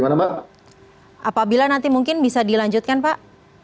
apabila nanti mungkin bisa dilanjutkan pak